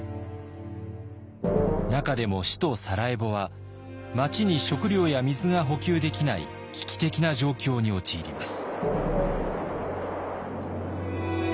中でも首都サラエボは街に食料や水が補給できない危機的な状況に陥ります。